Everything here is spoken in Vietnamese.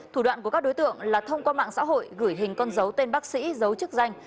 thủ đoạn của các đối tượng là thông qua mạng xã hội gửi hình con dấu tên bác sĩ dấu chức danh